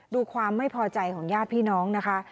ดูความไม่พอใจของญาติพี่น้องนะคะ